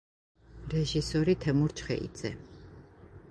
რეჟისორი თემურ ჩხეიძე.